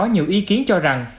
có nhiều ý kiến cho rằng